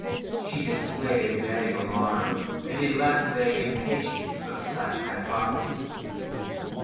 She displayed a vague alarm, and a less vague impatience of such hypotheses.